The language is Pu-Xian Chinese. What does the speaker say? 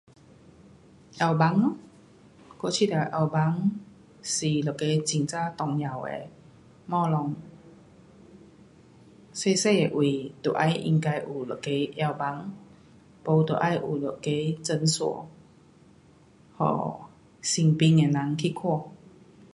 药房咯，我觉得药房是一个很呀重要的东西。小小的位就要应该有一个药房。不就要有一个诊所，给身边的人去看。